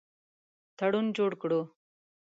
تړون جوړ کړو.